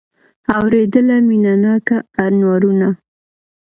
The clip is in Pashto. اورېدله مینه ناکه انوارونه